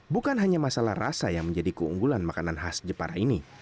bukan hanya masalah rasa yang menjadi keunggulan makanan khas jepara ini